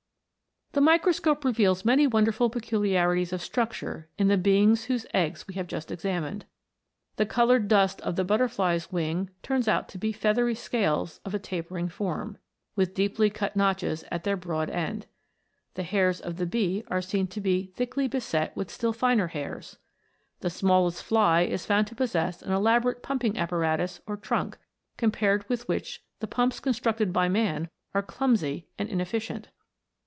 The microscope reveals many wonderful peculi arities of structure in the beings whose eggs we have just examined. The coloured dust of the butterfly's wing turns out to be feathery scales of a tapering form, with deeply cut notches at their broad end. The hairs of the bee are seen to be thickly beset with still finer hairs. The smallest fly is found to possess an elaborate pumping apparatus or trunk, compared with which the pumps constructed by man are clumsy and inefficient.